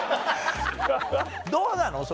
どうなの？